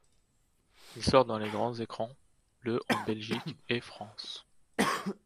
Il sort dans les grands écrans le en Belgique et France.